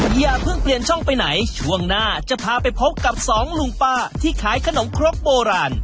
อย่าเพิ่งเปลี่ยนช่องไปไหนช่วงหน้าจะพาไปพบกับสองลุงป้าที่ขายขนมครกโบราณ